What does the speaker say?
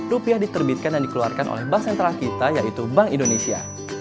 rupiah diterbitkan dan dikeluarkan oleh bank sentral kita yaitu bank indonesia